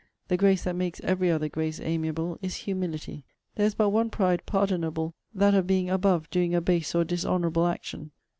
'The grace that makes every other grace amiable, is HUMILITY.' 'There is but one pride pardonable; that of being above doing a base or dishonourable action.'